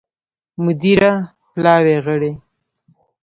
مدیره پلاوي غړي